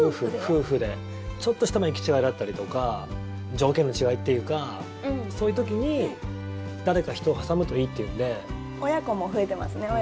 ちょっとした行き違いだったりとか条件の違いっていうかそういう時に誰か人を挟むといいっていうので。